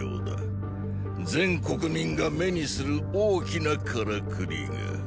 全国民が目にする大きなカラクリが。